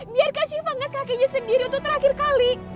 biarkan siva ngeliat kakenya sendiri untuk terakhir kali